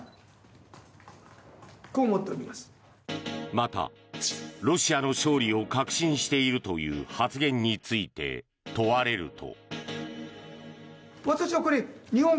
また、ロシアの勝利を確信しているという発言について問われると。